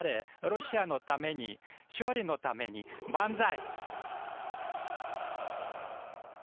ロシアのために勝利のために万歳！